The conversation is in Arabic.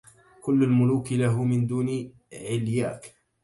كل الملوك له من دونِ علياكِ